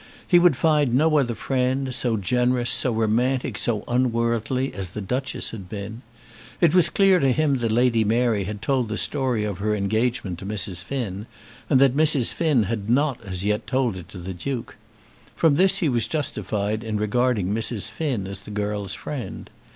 He would find no other friend so generous, so romantic, so unworldly as the Duchess had been. It was clear to him that Lady Mary had told the story of her engagement to Mrs. Finn, and that Mrs. Finn had not as yet told it to the Duke. From this he was justified in regarding Mrs. Finn as the girl's friend.